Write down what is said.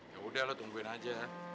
ya udah lo tungguin aja